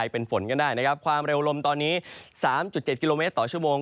เป็นฝนก็ได้นะครับความเร็วลมตอนนี้๓๗กิโลเมตรต่อชั่วโมง